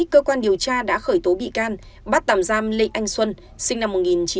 cơ quan điều tra đã khởi tố bị can bắt tạm giam lê anh xuân sinh năm một nghìn chín trăm tám mươi